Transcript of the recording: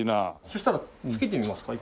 そしたらつけてみますか？